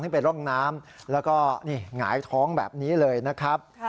ซึ่งเป็นร่องน้ำแล้วก็นี่หงายท้องแบบนี้เลยนะครับ